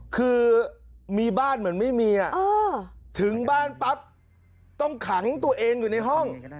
คือมีบ้านเหมือนไม่มีถึงบ้านปั๊บต้องขังตัวเองอยู่ในห้อง